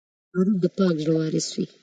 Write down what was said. غریب د پاک زړه وارث وي